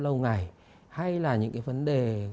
lâu ngày hay là những cái vấn đề